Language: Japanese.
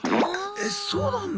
えっそうなんだ。